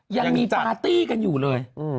ยังมีปาร์ตี้กันอยู่เลย